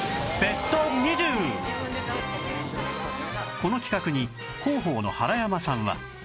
この企画に広報の原山さんは